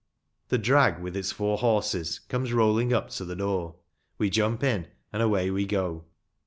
The drag with its four horses comes rolling up to the door, we jump in, and away we go.